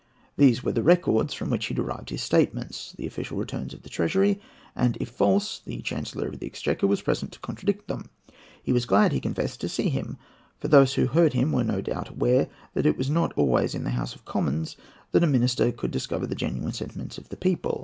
These were the records from which he derived his statements—the official returns of the Treasury; and if false, the Chancellor of the Exchequer was present to contradict them. He was glad, he confessed, to see him, for those who heard him were, no doubt, aware that it was not always in the House of Commons that a minister could discover the genuine sentiments of the people.